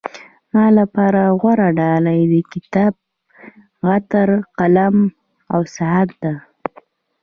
زما لپاره غوره ډالۍ د کتاب، عطر، قلم او ساعت ده.